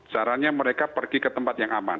caranya mereka pergi ke tempat yang aman